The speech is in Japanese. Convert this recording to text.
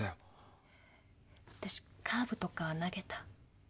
あたしカーブとか投げた？